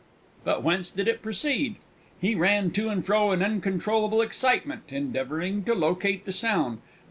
But whence did it proceed? He ran to and fro in uncontrollable excitement, endeavouring to locate the sound.